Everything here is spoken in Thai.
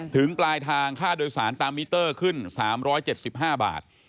ปลายทางค่าโดยสารตามมิเตอร์ขึ้น๓๗๕บาท